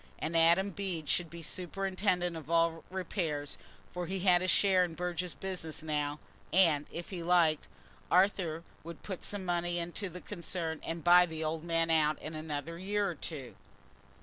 And Adam Bede should superintend all the repairs, for he had a share in Burge's business now, and, if he liked, Arthur would put some money into the concern and buy the old man out in another year or two.